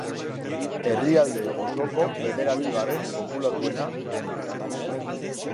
Herrialde osoko bederatzigarren populatuena dena.